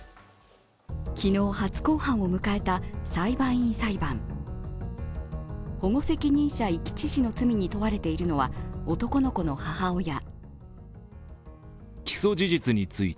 昨日、初公判を迎えた裁判員裁判保護責任者遺棄致死の罪に問われているのは、男の子の母親。